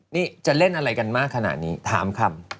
นี่จะเล่นอะไรกันมากขนาดนี้ถามคำ